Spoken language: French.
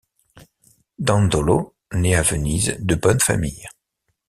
Dandolo, né à Venise de bonne famille.